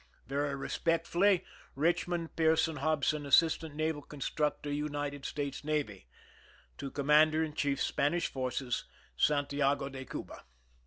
Very respectfully, Richmond Pearson Hobson, Assistant Naval Constructor, United States Navy. To Commander in Chief Spanish Forces, Santiago de Cuba.